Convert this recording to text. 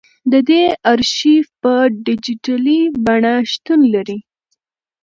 د دې ارشیف په ډیجیټلي بڼه شتون لري.